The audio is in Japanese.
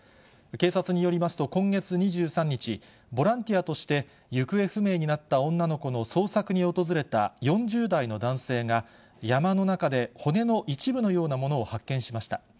警察によりますと、今月２３日、ボランティアとして行方不明になった女の子の捜索に訪れた４０代の男性が、山の中で骨の一部のようなものを発見しました。